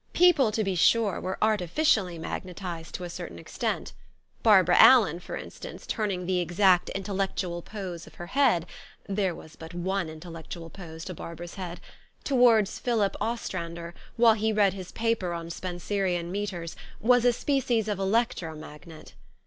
People, to be sure, were artificially magnetized to a certain extent. Barbara Allen, for instance, turn ing the exact intellectual pose of her head (there was but one intellectual pose to Barbara's head) towards Philip Ostrander, while he read his paper on Spenserian metres, was a species of electro magnet.